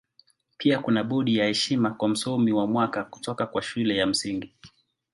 Pia kuna bodi ya heshima kwa Msomi wa Mwaka kutoka kwa Shule ya Msingi.